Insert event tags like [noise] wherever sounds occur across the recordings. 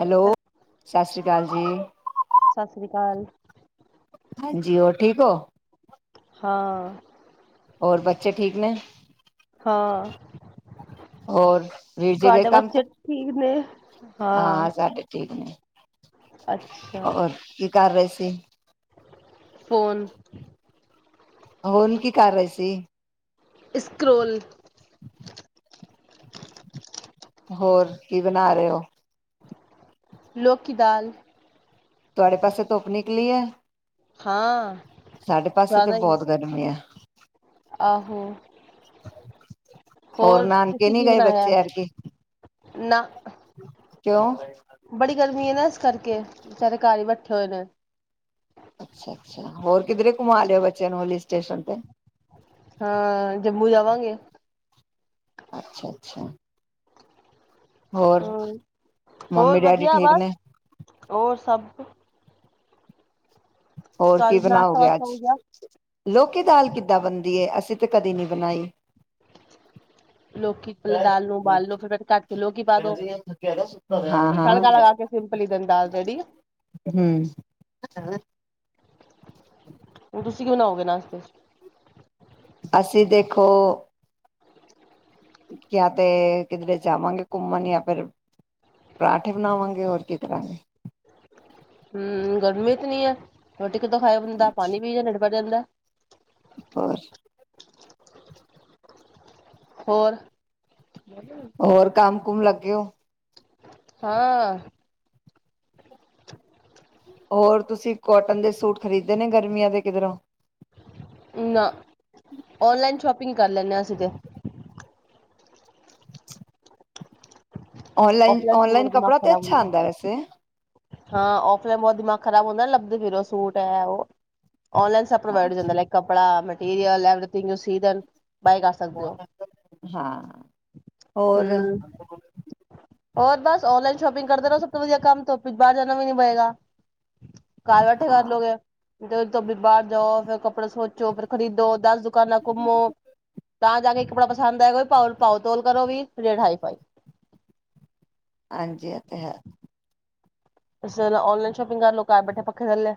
Hello ਸਤਿ ਸ਼੍ਰੀ ਅਕਾਲ ਜੀ। ਸਤਿ ਸ੍ਰੀ ਅਕਾਲ। ਹਾਂਜੀ ਹੋਰ ਠੀਕ ਹੋ। ਹਾਂ ਔਰ ਬੱਚੇ ਠੀਕ ਨੇ ਹਾਂ ਹੋਰ ਵੀਰ ਜੀ ਗਏ ਤੁਹਾਡੇ ਕੰਮ ਤੇ ਬੱਚੇ ਠੀਕ ਨੇ? ਹਾਂ ਸਾਡੇ ਠੀਕ ਨੇ ਅੱਛਾ ਹੋਰ ਕੀ ਕਰ ਰਹੇ ਸੀ ਫੋਨ ਹੋਰ ਕੀ ਕਰ ਰਹੇ ਸੀ ਇਸਰੋਲ [unintelligible] ਹੋਰ ਕੀ ਬਣਾ ਰਹੇ ਹੋ। ਲੋਕੀ ਦਾਲ ਤੁਹਾਡੇ ਪਾਸੇ ਧੁੱਪ ਨਿਕਲੀ ਹੈ ਹਾਂ। ਸਾਡੇ ਪਾਸੇ ਤੇ ਜ਼ਿਆਦਾ ਹੀ। ਬਹੁਤ ਗਰਮੀ ਆ ਆਹੋ ਹੋਰ ਨਾਨਕੇ ਤੁਸੀਂ ਨੀ ਕੀ ਗਏ ਬਣਾਇਆ ਬੱਚੇ ਐਤਕੀ ਨਾ ਕਿਉਂ ਬੜੀ ਗਰਮੀ ਹੈ ਨਾ ਇਸ ਕਰਕੇ ਸਾਰੇ ਘਰ ਹੀ ਬੈਠੇ ਹੋਏ ਨੇ ਅੱਛਾ ਅੱਛਾ ਹੋਰ ਕਿੱਧਰੇ ਘੁੰਮਾ ਲਿਆ ਬੱਚਿਆਂ ਨੂੰ ਹਿਲ ਸਟੇਸ਼ਨ ਤੇ ਹਾਂ ਜੰਮੂ ਜਾਵਾਂਗੇ ਅੱਛਾ-ਅੱਛਾ ਹਮ ਹੋਰ ਮੰਮੀ ਡੈਡੀ ਵਧੀਆ ਠੀਕ ਬਸ ਨੇ ਹੋਰ ਸਭ। ਹੋਰ ਕੀ ਤੁਹਾਡਾ ਨਾਸ਼ਤਾ ਬਣਾਓਗੇ ਵਾਸਤਾ ਅੱਜ ਹੋ ਗਿਆ? ਲੋਕੀ ਦਾਲ ਕਿੱ ਕਿਦਾਂ ਬਣਦੀ ਏ ਅਸੀਂ ਤਾਂ ਕਦੇ ਨੀ ਬਣਾਈ। ਲੋਕੀ ਪਹਿਲੇ ਦਾਲ ਨੂੰ ਕਹਿ ਉਬਾਲ ਲੋ ਫਿਰ ਕਟ ਕੇ ਲੋਕੀ ਪਾ ਦੋ ਕਹਿੰਦੀ ਥੱਕਿਆ ਦਾ ਸੁੱਤਾ ਰਿਹਾ ਨੀਂਦ ਤੜਕਾ ਨਹੀਂ ਲਗਾ ਆਈ। ਕੇ ਸਿੰਪਲ ਜਿਹੀ ਦਾਲ ਰੈਡੀ ਹੈ ਹੂੰ, ਕਿਉਂ ਨਾ ਹੋਗੇ ਨਾਸਤੇ? [unintelligible] [unintelligible] ਅਸੀਂ ਦੇਖੋ। ਕਿਆ ਤੇ ਕਿਧਰੇ ਜਾਵਾਂਗੇ ਘੁੰਮਣ ਜਾਂ ਫਿਰ ਪਰਾਂਠੇ ਬਣਾਵਾਂਗੇ ਹੋਰ ਕੀ ਕਰਾਂਗੇ। ਹਮ ਗਰਮੀ ਕਿੰਨੀ ਹੈ ਰੋਟੀ ਕਿੱਦੋਂ ਖਆ ਹਦਾ ਪਾਣੀ ਪੀ ਜਾਂ ਨਡ ਭਰ ਜਾਂਦਾ। [unintelligible] ਹੋਰ? ਹੋਰ, ਹੋਰ ਕੰਮ ਕੁਮ ਲੱਗੇ ਹੋ? ਹਾਂ ਹੋਰ ਤੁਸੀਂ ਕੋਟਨ ਦੇ ਸੂਟ ਖਰੀਦੇ ਨੇ ਗਰਮੀਆਂ ਦੇ ਕਿਧਰੋਂ ਨਾ ਔਨਲਾਈਨ ਸ਼ੋਪਿੰਗ। ਕਰ ਲੈਂਨੇ ਹਾਂ ਅਸੀਂ ਤੇ ਔਨਲਾਈਨ ਔਫਲਾਈਨ ਮੇਰਾ ਔਨਲਾਈਨ ਦਿਮਾਗ ਕੱਪੜਾ ਤੇ ਖਰਾਬ ਅੱਛਾ ਹੁੰਦਾ ਆਂਦਾ ਵੈਸੇ। ਹਾਂ, ਔਫਲਾਈਨ ਬਹੁਤ ਦਿਮਾਗ ਖ਼ਰਾਬ ਹੁੰਦਾ ਨਾ ਲੱਭਦੇ ਫ਼ਿਰੋ ਉਹ ਸੂਟ ਹੈ ਉਹ ਔਨਲਾਈਨ ਸਭ ਪ੍ਰੋਵਾਈਡ ਹੋ ਜਾਂਦਾ ਲਾਈਕ ਕੱਪੜਾ ਮ [unintelligible] ਹਾਂ ਹੋਰ ਹੂੰ ਹੋਰ ਬਸ ਔਨਲਾਈਨ ਸ਼ੋਪਿੰਗ ਕਰਦੇ ਰਹੋ ਸਭ ਤੋਂ ਵਧੀਆ ਕੰਮ ਤੋਂ ਬਾਹਰ ਜਾਣਾ ਵੀ ਨੀ ਪਏਗਾ। ਘਰ ਬੈਠੇ ਹਾਂ ਕਰਲੋਗੇ। ਤੇ ਤੁੀ ਬਾਹਰ ਜਾਓ ਫੇਰ ਕੱਪੜੇ ਸੋਚੋ ਫੇਰ ਖਰੀਦੋ। ਦਸ ਦੁਕਾਨਾਂ ਘੁੰਮੋ ਤਾਂ ਜਾ ਕੇ। ਕੱਪੜਾ ਪਸੰਦ ਆਏਗਾ ਪਾਓ ਪਾਓ ਤੋਲ ਕਰੋ ਵੀ ਰੇਟ ਹਾਈ ਫਾਈਲ ਹਾਂਜੀ, ਇਹ ਤੇ ਹੈ ਔਨਲਾਈਨ ਸ਼ੋਪਿੰਗ ਕਰ ਲੋਕ ਬੈਠੇ ਪੱਖੇ ਥੱਲੇ।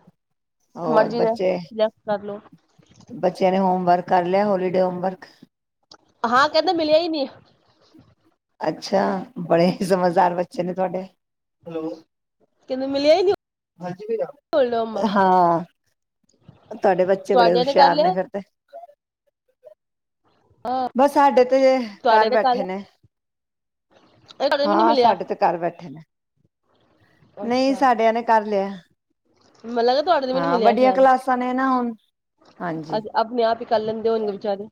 ਹੋਰ ਮਰਜ਼ੀ ਦੇ ਬੱਚੇ ਸਿਲੈਕਟ ਕਰ ਲੋ ਬੱਚਿਆਂ ਨੇ ਹੋਮਵਰਕ ਕਰ ਲਿਆ ਹੋਲੀਡੇ ਓਮਬਰਕ ਹਾਂ ਕਹਿੰਦੇ ਮਿਲਿਆ ਹੀ ਨਹੀਂ। ਅੱਛਾ ਬੜੇ ਸਮਝਦਾਰ ਬੱਚੇ ਨੇ ਤੁਹਾਡੇ। ਕਹਿੰਦੇ ਮਿਲਿਆ ਹੀ ਨਹੀਂ ਹੋਮਵਰਕ ਹਾਂ, ਤੁਹਾਡੇ ਬੱਚੇ ਬੜੇ ਤੁਹਾਡੇ ਕਰ ਹੁਸ਼ਿਆਰ ਨੇ ਲਿਆ ਫਿਰ ਤੇ। ਹਾਂ ਬਸ ਸਾਡੇ ਤੇ ਜੇ ਘਰ ਤੁਹਾਡੇ ਕਰ ਬੈਠੇ ਲਿਆ ਨੇ ਤੁਹਾਡੇ ਵੀ ਨੀ ਹਾਂ ਮਿਲਿਆ ਸਾਡੇ ਤੇ ਘਰ ਬੈਠੇ ਨੇ। ਨਹੀਂ ਅੱਛਾ ਸਾਡਿਆਂ ਨੇ ਕਰ ਲਿਆ। ਮੈਨੂੰ ਲੱਗਾ ਤੁਹਾਡੇ ਨੂੰ ਵੀ ਨੀ ਹਾਂ, ਮਿਲਿਆ ਵੱਡੀਆਂ ਸ਼ਾਇਦ ਕਲਾਸਾਂ ਨੇ ਨਾ ਹੁਣ ਹਾਂਜੀ ਅੱਜ ਆਪਣੇ ਆਪ ਹੀ ਕਰ ਲੈਂਦੇ ਹੋਣਗੇ ਬਚਾਰੇ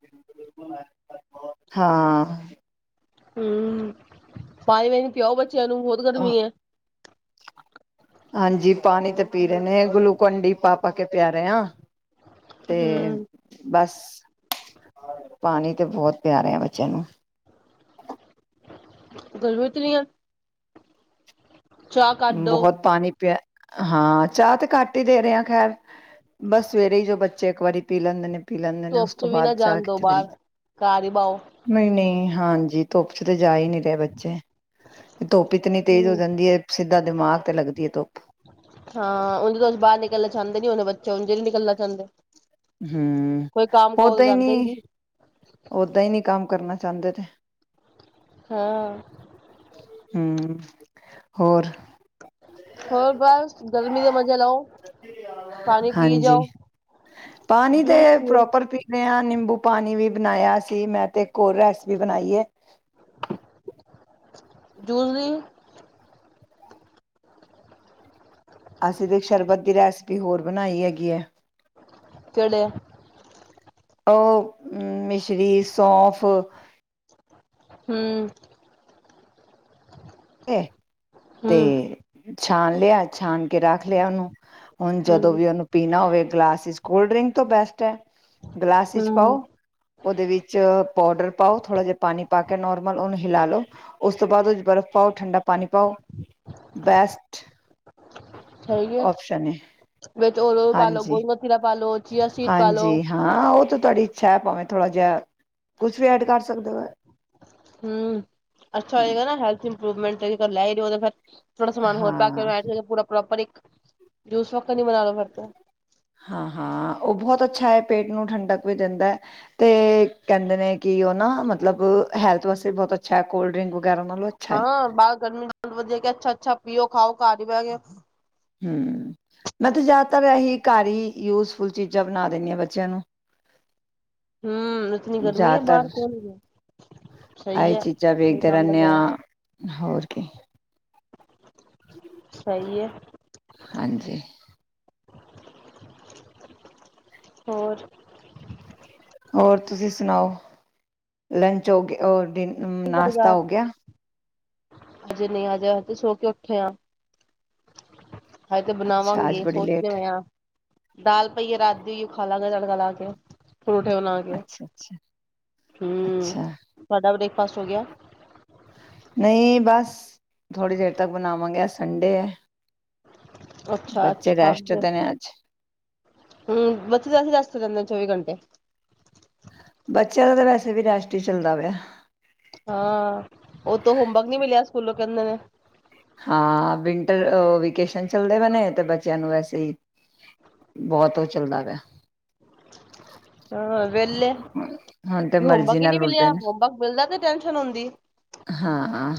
ਹਾਂ ਹੂੰ [unintelligible] [unintelligible] ਬਹੁਤ ਗਰਮੀ ਐ ਹਾਂਜੀ ਪਾਣੀ ਤੇ ਪੀ ਰਹੇ ਨੇ ਗਲੂਕੰਡੀ ਪਾ ਪਾ ਕੇ ਪਿਆ ਰਹੇ ਆ ਤੇ ਹੂੰ ਬਸ ਪਾਣੀ ਤੇ ਬਹੁਤ ਪਿਆ ਰਹੇ ਆ ਬੱਚਿਆਂ ਨੂੰ ਗਲਵਤਲੀਆਂ ਬਹੁਤ ਪਾਣੀ ਪਿਆ ਹਾਂ, ਚਾਹ ਤੇ ਘੱਟ ਹੀ ਦੇ ਰਹੇ ਆ ਖੈਰ ਬਸ ਸਵੇਰੇ ਹੀ ਜੋ ਬੱਚੇ ਇੱਕ ਵਾਰੀ ਪੀ ਲੈਂਦੇ ਨੇ ਪੀ ਲੈਂਦੇ ਨੇ ਉਸ ਧੁੱਪ ਚ ਤੋਂ ਵੀ ਨਾ ਬਾਅਦ ਜਾ ਜਾਣ ਦੋ ਕੇ ਬਾਹਰ ਨਹੀਂ ਘਰ ਹੀ ਬਾਓ ਹਾਂ ਧੁੱਪ ਚ ਤਾਂ ਜਾ ਹੀ ਨੀ ਰਿਹਾ ਬੱਚੇ ਤੇ ਧੁੱਪ ਇਤਨੀ ਤੇਜ਼ ਹੋ ਹੂੰ ਜਾਂਦੀ ਹੈ ਜਿੱਾਂਮਾਗ ਤੇ ਲੱਗਦੀ ਹੈ ਧੁੱਪ ਹਾਂ ਉਦੇ ਤੋਂਂ ਬਾਹਰ ਨਿਕਲਣਾ ਚਾਹੁੰਦੇ ਨੀ ਉਹਦੇ ਬੱਚੇ ਉਦੇ ਨੀ ਨਿਕਲਣਾ ਚਾਹੁੰਦੇ ਹਾਂ ਹਮ ਉਦਾਂ ਹੀ ਜਾਂਦਾ ਨਹੀਂ ਨੀ ਉਦਾਂ ਹੀ ਨਹੀਂ ਕੰਮ ਕਰਨਾ ਚਾਹੁੰਦੇ ਤੇ ਹਾਂ ਹਮ ਹੋਰ ਹੋਰ ਬਸ ਗਰਮੀ ਦੇ ਮਜੇ ਲਓ ਪਾਣੀ ਪੀ ਹਾਂਜੀ ਜਾਓ ਪਾਣੀ ਤੇ ਜੂਸ ਪੀਓ ਪ੍ਰੋਪਰ ਪੀਂਦੇ ਹਾਂ ਨਿੰਬੂ ਪਾਣੀ ਵੀ ਬਣਾਇਆ ਸੀ ਇੱਕ ਹੋਰ ਰੈਸਪੀ ਬਣਾਈ ਹੈ ਦੂਸਰੀ ਅਸੀਂ ਤੇ ਸ਼ਰਬਤ ਦੀ ਰੈਸਿਪੀ ਹੋਰ ਬਣਾਈ ਹੈਗੀ ਹੈ ਚੜੇ ਉਹ ਮਿਸਰੀ ਸੋਫ ਹਮ ਹੂੰ ਤੇ ਛਾਣ ਲਿਆ ਛਾਂ ਰੱਖ ਲਿਆ ਉਹਨੂੰ ਉਹਨਾਂ ਨੂੰ ਜਦੋਂ ਹੂੰ ਵੀ ਪੀਣਾ ਹੋਵੇ ਗਲਾਸ ਕੋਲਡਰਿੰਗ ਤੋਂ ਬੈਸਟ ਹੈ ਗਲਾਸ ਵਿੱਚ ਹੂੰ ਪਾਓ ਉਹਦੇ ਵਿੱਚ ਪਾਊਡਰ ਪਾਓ ਥੋੜਾ ਜਿਹਾ ਪਾਣੀ ਪਾ ਕੇ ਨੋਰਮਲ ਉਹਨੂੰ ਹਿਲਾ ਲਓ ਉਸ ਤੋਂ ਬਾਅਦ ਬਰਫ ਪਾਓ ਠੰਡਾ ਪਾਣੀ ਪਾਓ ਬੈਸਟ ਹੈਗੀ ਆ ਓਪਸ਼ਨ ਹੈ ਵਿਚ ਹਾਂਜੀ ਗੁਣ ਕਤੇਰਾ ਪਾ ਲਓ ਹਾਂਜੀ ਹਾਂ ਉਹ ਤਾਂ ਤੁਹਾਡੀ ਇੱਛਾ ਹ ਭਾਵੇਂ ਥੋੜਾ ਜਿਹਾ ਕੁਛ ਵੀ ਐਡ ਕਰ ਸਕਦੇ ਹੋ। ਹੁ। ਅੱਛਾ ਹਮ, ਹੋਏਗਾ ਨਾ ਹੈਲਥ ਇਮਪ੍ਰੋਵੇਮੈਂਟ [unintelligible] ਲਾਏ ਫਿਰ ਥੋੜਾ ਸਮਾਨ ਹੋਰ ਭਾਗ ਹਾਂ ਕਰੋ ਅੱਜ ਪੂਰਾ ਪ੍ਰੋਪਰ ਇੱਕ ਜੂਸ ਵੱਕਰ ਤੋਂ ਨੀ ਬਨਾਣਾ ਪੜ੍ਹਤਾ। ਹਾਂ ਹਾਂ ਉਹ ਬਹੁਤ ਅੱਛਾ ਹੈ ਪੇਟ ਨੂੰ ਠੰਡਾ ਵੀ ਦਿੰਦਾ ਤੇ ਕਹਿੰਦੇ ਨੇ ਕਿ ਨਾ ਮਤਲਬ ਹੈਲਥ ਵਾਸਤੇ ਬਹੁਤ ਅੱਛਾ ਕੋਲਡ ਵਗੈਰਾ ਨਾਲੋਂ ਅੱਛਾ ਹੈ ਹਾਂ ਨਾ ਗਰਮੀ ਬਹੁਤ ਵਧੀਆ ਕਿ ਅੱਛਾ ਅੱਛਾ ਪੀਓ। ਖਾਓ ਘਰ ਹੀ ਬਹਿ ਗਿਆ ਹਮ ਮੈਂ ਤੇ ਜ਼ਿਆਦਾਤਰ ਇਹੀ ਘਰ ਹੀ ਯੂਜਫੁਲ ਚੀਜ਼ਾਂ ਬਣਾ ਦਿੰਦੀ ਹਾਂ, ਬੱਚਿਆਂ ਨੂੰ। ਹਮ ਉਤਨੀ ਗਰਮੀ ਹੈ ਜ਼ਿਆਦਾਤਰ ਬਾਹਰ, ਕੌਣ ਹੀ ਗਿਆ, ਸਹੀ ਆਹੀ ਹੈ ਚੀਜ਼ਾਂ ਸਹੀ ਵੇਖਦੇ ਕੰਮ ਰਹਿੰਦੇ ਲੱਗਾ ਹਾਂ ਹੋਰ ਕੀ। ਸਹੀ ਹੈ। ਹਾਂਜੀ। ਹੋਰ। ਹੋਰ ਤੁਸੀਂ ਸੁਣਾਓ, ਲੰਚ ਹੋ ਗ ਹੋਰ ਡਿਨ ਹੈ ਨਾਸ਼ਤਾ ਬਾਜ਼ਾਰ ਹੋ ਗਿਆ। ਹਜੇ ਨਹੀਂ ਹਜੇ ਤੇ ਸੋ ਕੇ ਉੱਠੇ ਆ। ਹਜੇ ਤੇ ਅੱਛਾ ਅੱਜ ਬਣਾਵਾਂਗੇ ਬੜੀ ਸੋਚਦੇ ਲੇਟ ਪਏ ਆ। ਦਾਲ ਪਈ ਏ ਰਾਤ ਦੀ, ਓਹ ਖਾ ਲਾਗੇ ਤੜਕਾ ਲਾ ਕੇ। ਪਰੌਠੇ ਬਣਾ ਕੇ, ਅੱਛਾ ਅੱਛਾ ਹਮ ਅੱਛਾ ਸਾਡਾ ਵੀ ਦੇਖ ਪਾਸ ਹੋ ਗਿਆ। ਨਹੀਂ ਬਸ ਥੋੜੀ ਦੇਰ ਤੱਕ ਬਣਾਵਾਂਗੇ ਅਜ ਸੰਡੇ ਹੈ। ਅੱਛਾ ਬੱਚੇ ਰੇਸਟ ਤੇ ਨੇ ਅੱਜ। ਹਮ ਬੱਚੇ ਤਾਂ ਰਹਿੰਦੇ ਹੀ ਰੇਸਟ ਤੇ ਨੇ ਚੌਵੀ ਘੰਟੇ। ਬੱਚਿਆਂ ਦਾ ਤਾਂ ਵੈਸੇ ਵੀ ਰੇਸਟ ਹੀ ਚੱਲਦਾ ਪਿਆ। ਹਾਂ ਉਤੋਂ ਹੋਮਵਰਕ ਨਹੀਂ ਮਿਲਿਆ ਸਕੂਲੋਂ ਕਹਿੰਦੇ ਨੇ। ਹਾਂ ਵਿੰਟਰ ਵੇਕੇਸ਼ਨ ਚੱਲਦੇ ਪਏ ਨੇ, ਤੇ ਬੱਚਿਆਂ ਨੂੰ ਵੈਸੇ ਹੀ ਬਹੁਤ ਉਹ ਚੱਲਦਾ ਪਿਆ। ਹ ਵਿਹਲੇ, ਹੁਣ ਤੇ ਮਰਜ਼ੀ ਹੋਮਵਰਕ ਹੀ ਨਹੀਂ ਨਾਲ ਉੱਠਦੇ ਮਿਲਿਆ, ਹੋਮਵਰਕ ਮਿਲਦਾ ਤੇ ਟੈਂਸ਼ਨ ਹੁੰਦੀ ਹੈ। ਨੇ ਹਾਂ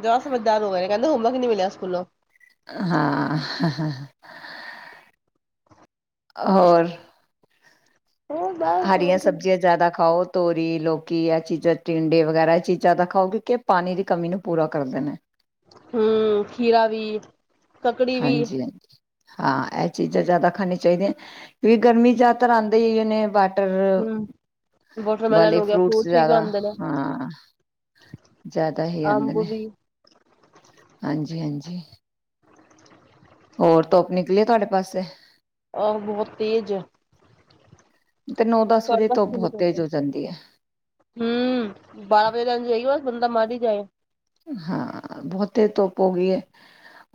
ਜਾਦਾ ਸਮਝਦਾਰ ਹੋ ਗਏ ਕਹਿੰਦੇ ਹੋਮਵਰਕ ਹੀ ਨਹੀਂ ਮਿਲਿਆ ਸਕੂਲੋਂ। ਹਾਂ। ਹੋਰ ਹੋਰ ਬਸ ਹਰੀਆਂ ਹੋਰ ਕੀ। ਸਬਜ਼ੀਆਂ ਜ਼ਿਆਦਾ ਖਾਓ ਤੋਰੀ, ਲੋਕੀ ਆ ਚੀਜ਼ਾਂ ਟਿੰਡੇ ਵਗੈਰਾ ਇਹ ਚੀਜ਼ਾਂ ਦਾ ਖਾਓਗੇ ਕਿ ਇਹ ਪਾਣੀ ਦੀ ਕਮੀ ਨੂੰ ਪੂਰਾ ਕਰਦੇ ਨੇ। ਹਮ ਖੀਰਾ ਵੀ ਕੱਕੜੀ ਵੀ। ਹਾਂਜੀ ਹਾਂਜੀ ਹਾਂ ਇਹ ਚੀਜ਼ਾਂ ਜਿਆਦਾ ਖਾਨੀਆ ਚਾਹੀਦੀਆਂ ਕਿਉਕਿ ਗਰਮੀ ਜ਼ਿਆਦਾਤਰ ਆਉਂਦਾ ਹੀ ਉਹਨੇ ਟਰ ਹੂੰ ਵਾਟਰਮੈਲਨ ਵਾਲੇ ਹੋ ਗਿਆ ਫਰੂਟਸ ਵੀ ਜਿਆਦਾ ਖਾਂਦੇ ਨੇ ਹਾਂ ਜ਼ਿਆਦਾ ਹੀ ਆਉਂਦੇ ਅੰਬ ਨੇ ਵੀ ਹਾਂਜੀ -ਹਾਂਜੀ। ਜੀ। ਹੋਰ ਧੁੱਪ ਨਿਕਲੀ ਆ ਤੁਹਾਡੇ ਪਾਸੇ। ਆ ਬਹੁਤ ਤੇਜ਼ ਹੈ। ਤੇ ਨੌ [unintelligible] ਦਸ ਵਜੇ ਧੁੱਪ ਬਹੁਤ ਤੇਜ਼ ਹੋ ਜਾਂਦੀ ਹੈ ਹਮ ਬਾਰਾਂ ਵਜੇ [unintelligible] ਬੰਦਾ ਮਾਰ ਹੀ ਜਾਏ। ਹਾਂ ਬਹੁਤੇ ਧੁੱਪ ਹੋ ਗਈ ਹੈ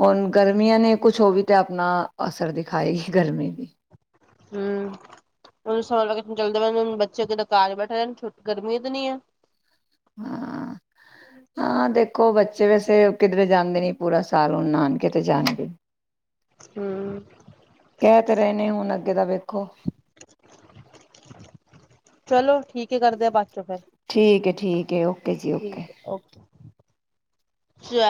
ਹੁਣ ਗਰਮੀਆਂ ਨੇ ਕੁਛ ਹੋ ਵੀ ਤੇ ਆਪਣਾ ਅਸਰ ਦਿਖਾਏਗੀ ਗਰਮੀ ਵੀ। [unintelligible] ਕਾਰ ਬੈਠੇ ਰਹਿਣ ਗਰਮੀ ਇਤਨੀ ਹੈ। ਹਾਂ-ਹਾਂ ਦੇਖੋ ਬੱਚੇ ਵੈਸੇ ਕਿਧਰੇ ਜਾਂਦੇ ਨੀ ਪੂਰਾ ਸਾਲ ਹੁਣ ਨਾਨਕੇ ਤੇ ਜਾਣਗੇ। ਹੂੰ ਕਹਿ ਤੇ ਰਹੇ ਨੇ ਹੁਣ ਅੱ ਗੇ ਦਾ ਵੇਖੋ। ਚਲੋ ਠੀਕ ਹੈ ਕਰਦੇ ਆ ਬਾ ਠੀਕ ਹੈ, ਠੀਕ ਹੈ ਓਕੇ ਜੀ ਓਕੇ। ਠੀਕ ਐ ਓਕੇ। ਚੈ